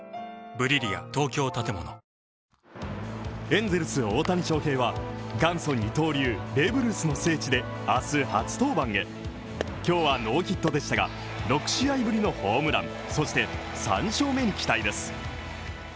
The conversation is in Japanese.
エンゼルス大谷翔平は元祖二刀流ベーブ・ルースの聖地で明日初登板へ今日はノーヒットでしたが、６試合ぶりのホームラン、そして３勝目に期待です。